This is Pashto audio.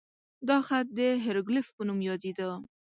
دا خط د هیروګلیف په نوم یادېده.